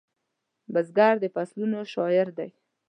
بزګر د فصلونو شاعر دی